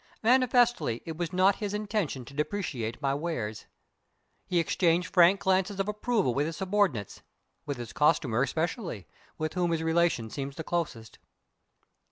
Manifestly it was not his intention to depreciate my wares. He exchanged frank glances of approval with his subordinates with his costumer especially, with whom his relation seems the closest.